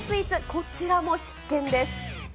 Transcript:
こちらも必見です。